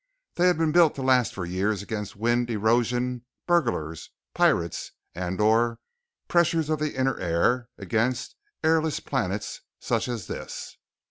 They had been built to last for years against wind, erosion, burglars, pirates, and/or the pressures of the inner air against airless planets such as this.